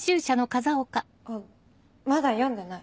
あっまだ読んでない。